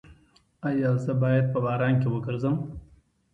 ایا زه باید په باران کې وګرځم؟